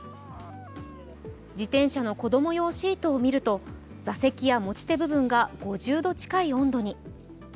自転車の子供用シートを見ると座席や持ち手部分が５０度近い温度に。